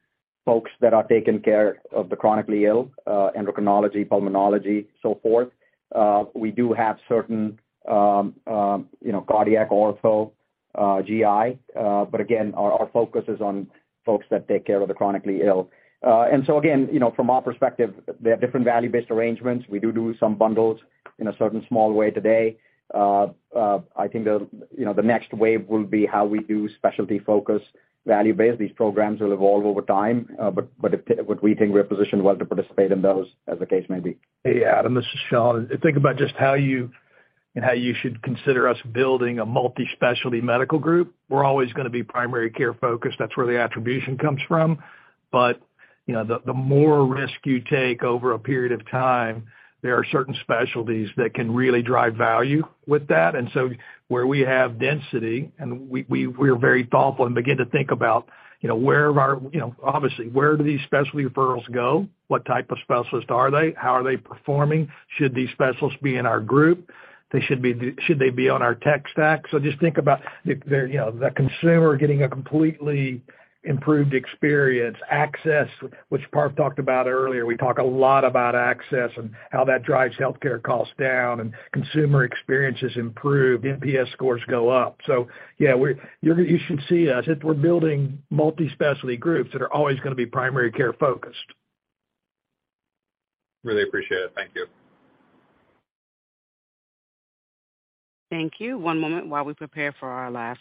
folks that are taking care of the chronically ill, endocrinology, pulmonology, so forth. We do have certain, you know, cardiac, ortho, GI, but again, our focus is on folks that take care of the chronically ill. Again, you know, from our perspective, they have different value-based arrangements. We do some bundles in a certain small way today. I think you know the next wave will be how we do specialty focus value-based. These programs will evolve over time. We think we're positioned well to participate in those as the case may be. Hey, Adam, this is Shawn. Think about just how you and how you should consider us building a multi-specialty medical group. We're always gonna be primary care-focused. That's where the attribution comes from. You know, the more risk you take over a period of time, there are certain specialties that can really drive value with that. Where we have density and we're very thoughtful and begin to think about, you know, where are our, you know, obviously, where do these specialty referrals go? What type of specialist are they? How are they performing? Should these specialists be in our group? Should they be on our tech stack? Just think about the, you know, the consumer getting a completely improved experience, access, which Parth talked about earlier. We talk a lot about access and how that drives healthcare costs down and consumer experiences improve, NPS scores go up. Yeah, you should see us as we're building multi-specialty groups that are always gonna be primary care-focused. Really appreciate it. Thank you. Thank you. One moment while we prepare for our last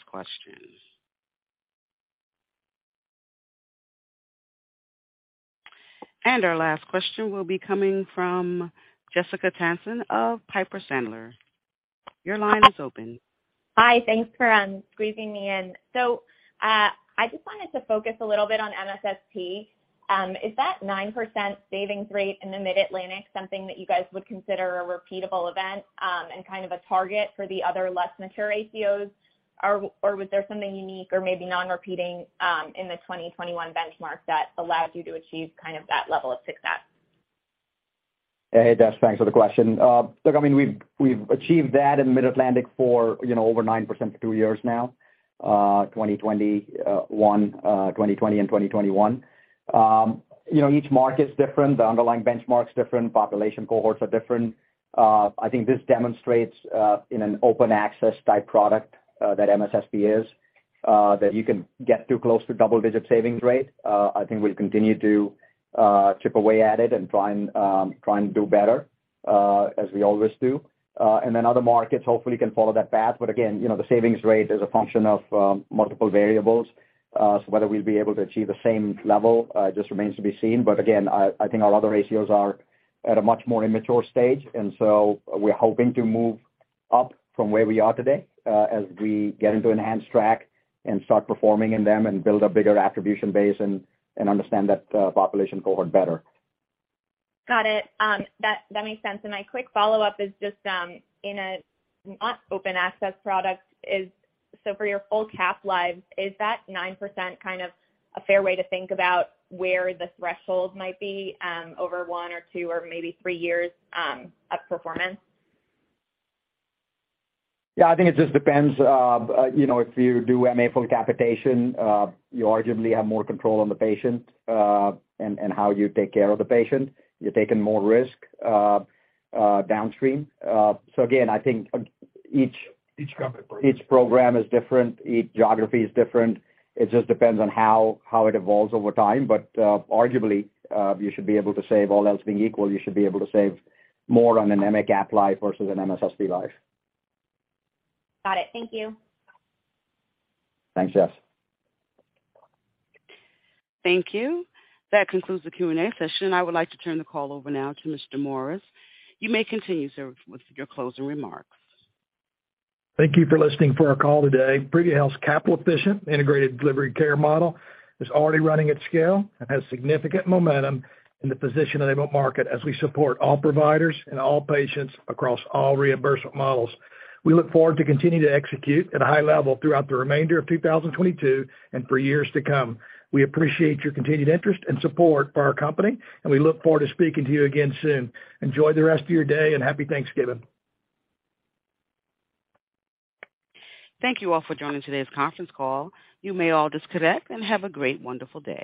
question. Our last question will be coming from Jessica Tassan of Piper Sandler. Your line is open. Hi. Thanks for squeezing me in. I just wanted to focus a little bit on MSSP. Is that 9% savings rate in the Mid-Atlantic something that you guys would consider a repeatable event, and kind of a target for the other less mature ACOs, or was there something unique or maybe non-repeating in the 2021 benchmark that allowed you to achieve kind of that level of success? Hey, Jess, thanks for the question. Look, I mean, we've achieved that in Mid-Atlantic for, you know, over 9% for two years now, 2020 and 2021. You know, each market is different, the underlying benchmark's different, population cohorts are different. I think this demonstrates in an open access type product that MSSP is that you can get to close to double-digit savings rate. I think we'll continue to chip away at it and try and do better as we always do. Other markets hopefully can follow that path. Again, you know, the savings rate is a function of multiple variables. Whether we'll be able to achieve the same level just remains to be seen. Again, I think our other ratios are at a much more immature stage, and so we're hoping to move up from where we are today, as we get into Enhanced track and start performing in them and build a bigger attribution base and understand that population cohort better. Got it. That makes sense. My quick follow-up is just in a non-open access product, for your full capitated lives, is that 9% kind of a fair way to think about where the threshold might be over one or two or maybe three years of performance? Yeah, I think it just depends. You know, if you do MA full capitation, you arguably have more control on the patient, and how you take care of the patient. You're taking more risk downstream. Again, I think each- Each company Each program is different, each geography is different. It just depends on how it evolves over time. Arguably, you should be able to save, all else being equal, you should be able to save more on an MA cap life versus an MSSP life. Got it. Thank you. Thanks, Jess. Thank you. That concludes the Q&A session. I would like to turn the call over now to Mr. Morris. You may continue, sir, with your closing remarks. Thank you for listening for our call today. Privia Health's capital-efficient integrated delivery care model is already running at scale and has significant momentum in the position available market as we support all providers and all patients across all reimbursement models. We look forward to continuing to execute at a high level throughout the remainder of 2022 and for years to come. We appreciate your continued interest and support for our company, and we look forward to speaking to you again soon. Enjoy the rest of your day, and Happy Thanksgiving. Thank you all for joining today's conference call. You may all disconnect and have a great, wonderful day.